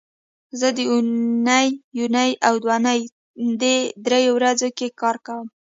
زه د اونۍ یونۍ او دونۍ دې درې ورځو کې کار کوم